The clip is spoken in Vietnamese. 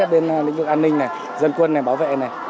bên lĩnh vực an ninh dân quân bảo vệ